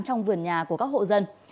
trong vườn nhà của các hộ dân